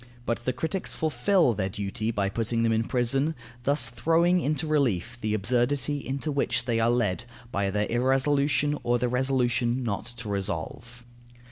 But the critics fulfil their duty by putting them in prison, thus throwing into relief the absurdity into which they are led by their irresolution, or their resolution not to resolve.